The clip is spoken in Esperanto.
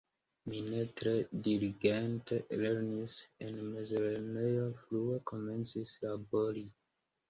Mi ne tre diligente lernis en mezlernejo, frue komencis labori.